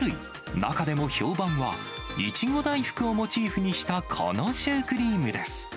中でも評判は、イチゴ大福をモチーフにしたこのシュークリームです。